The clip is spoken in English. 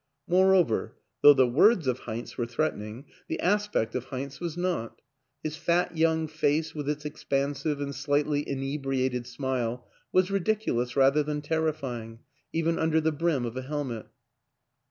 Moreover, though the words of Heinz were threatening the aspect of Heinz was not; his fat young face with its expansive and slightly inebriated smile was ridiculous rather than terrifying, even under the brim of a helmet.